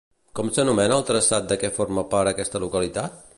Com s'anomena el traçat de què forma part aquesta localitat?